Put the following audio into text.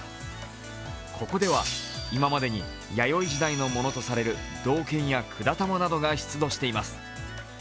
ここでは今までに弥生時代のものとされる銅剣が管玉などが出土しています。